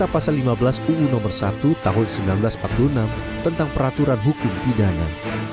pasal lima belas uu nomor satu tahun seribu sembilan ratus empat puluh enam tentang peraturan hukum pidana